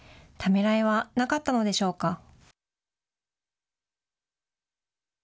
ためらいはなかったのでしょうか。